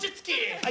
はい！